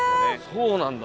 そうなんだ。